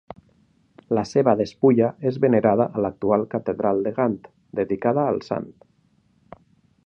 La seva despulla és venerada a l'actual catedral de Gant, dedicada al sant.